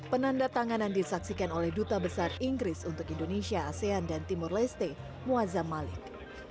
penanda tanganan disaksikan oleh duta besar inggris untuk indonesia asean dan timur leste muazzam malik